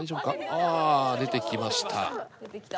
ああ出てきました。